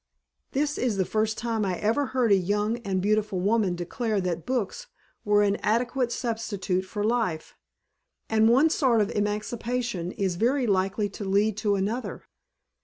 "This is the first time I ever heard a young and beautiful woman declare that books were an adequate substitute for life. And one sort of emancipation is very likely to lead to another."